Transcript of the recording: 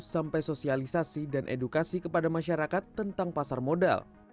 sampai sosialisasi dan edukasi kepada masyarakat tentang pasar modal